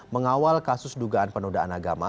mengawal kasus dugaan penodaan agama